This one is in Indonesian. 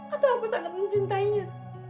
atau aku tak akan mencintainya